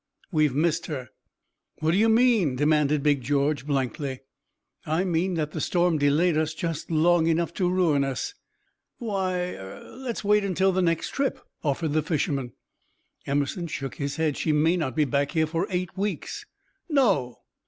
"We've missed her." "What d'you mean?" demanded Big George, blankly. "I mean that the storm delayed us just long enough to ruin us." "Why er let's wait till the next trip," offered the fisherman. Emerson shook his head. "She may not be back here for eight weeks. No!